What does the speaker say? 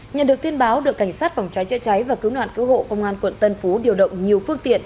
nhận được tin báo đội cảnh sát phòng cháy chữa cháy và cứu nạn cứu hộ công an quận tân phú điều động nhiều phương tiện